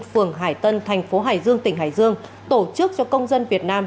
phường hải tân thành phố hải dương tỉnh hải dương tổ chức cho công dân việt nam